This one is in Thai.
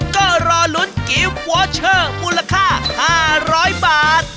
ก็รอลุ้นกิฟต์วอเชอร์มูลค่า๕๐๐บาท